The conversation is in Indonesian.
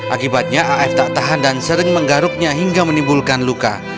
akibatnya af tak tahan dan sering menggaruknya hingga menimbulkan luka